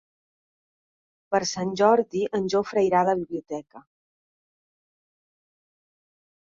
Per Sant Jordi en Jofre irà a la biblioteca.